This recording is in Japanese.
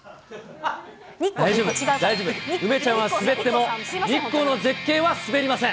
大丈夫、大丈夫、梅ちゃんは滑っても日光の絶景は滑りません。